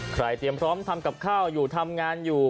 เตรียมพร้อมทำกับข้าวอยู่ทำงานอยู่